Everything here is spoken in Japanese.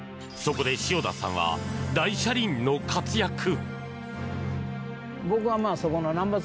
そこで塩田さんは大車輪の活躍！